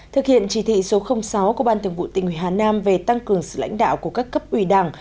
thực hiện chỉ thị số sáu của ban thường vụ tình huy hà nam về tăng cường sự lãnh đạo của các cấp ủy đảng